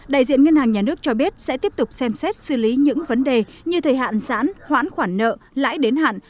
đại diện ngân hàng nhà nước cho biết sẽ tiếp tục xem xét xử lý những vấn đề như thời hạn giãn hoãn khoản nợ lãi đến hạn